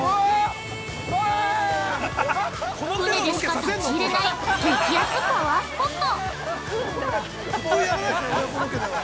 船でしか立ち入れない激アツパワースポット。